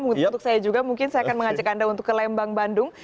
untuk saya juga mungkin saya akan mengajak anda untuk ke lembang bandung